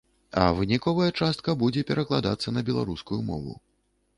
А выніковая частка будзе перакладацца на беларускую мову.